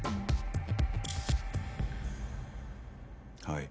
はい。